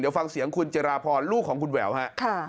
เดี๋ยวฟังเสียงคุณเจราพรลูกของคุณแหววฮะ